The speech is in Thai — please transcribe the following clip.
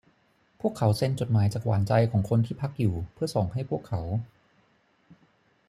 พวกเขาเซ็นจดหมายจากหวานใจของคนที่พักอยู่เพื่อส่งให้พวกเขา